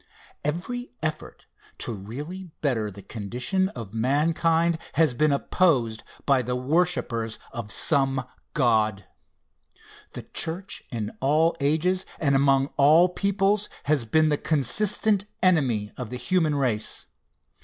Every effort to really better the condition of mankind has been opposed by the worshipers of some God. The church in all ages and among all peoples has been the consistent enemy of the human race.